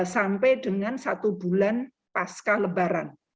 sampai dengan satu bulan pasca lebaran